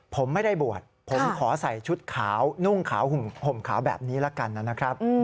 ผมไม่ได้บวชผมขอใส่ชุดขาวนุ่งขาวห่มขาวแบบนี้ละกันนะครับ